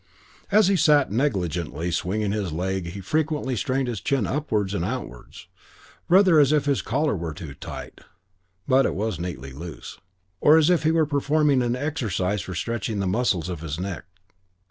As he sat negligently swinging his leg he frequently strained his chin upwards and outwards, rather as if his collar were tight (but it was neatly loose), or as if he were performing an exercise for stretching the muscles of his neck.